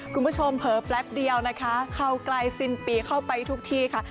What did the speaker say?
คุณผู้ชมเผลอแปลกเดียวนะคะเข้าไกลสินปีเข้าไปทุกทีค่ะ